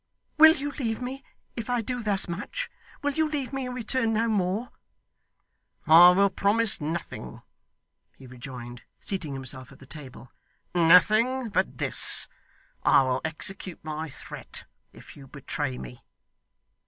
'Will you leave me, if I do thus much? Will you leave me and return no more?' 'I will promise nothing,' he rejoined, seating himself at the table, 'nothing but this I will execute my threat if you betray me.